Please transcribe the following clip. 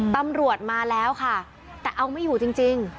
ตำรวจมาแล้วค่ะแต่เอาไม่อยู่จริง